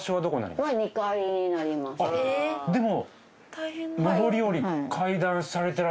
でも。